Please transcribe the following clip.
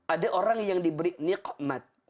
ada orang yang diberi nikomat